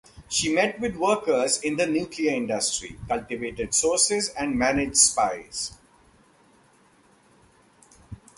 She met with workers in the nuclear industry, cultivated sources, and managed spies.